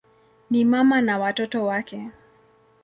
Ni mama na watoto wake.